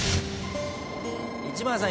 １番さん